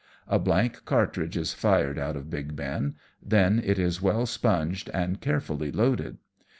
A blank cartridge is fired out of Big Ben, then it is well sponged, and carefully loaded.